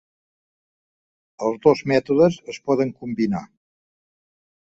Els dos mètodes es poden combinar.